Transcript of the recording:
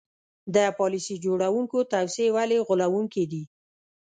د پالیسي جوړوونکو توصیې ولې غولوونکې دي.